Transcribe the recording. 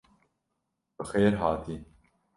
Bi xêr hatî.